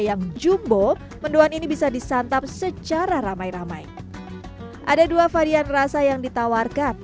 yang jumbo mendoan ini bisa disantap secara ramai ramai ada dua varian rasa yang ditawarkan